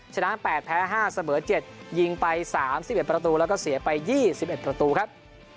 ชนะ๘แพ้๕เสมอ๗ยิงไป๓๑ประตูแล้วก็เสียไป๒๑ประตูครับ